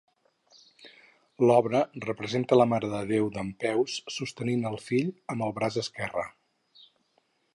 L'obra representa la Mare de Déu dempeus sostenint el fill amb el braç esquerre.